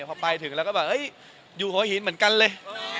พอไปถึงแล้วก็แบบอยู่หัวหินเหมือนกันเลย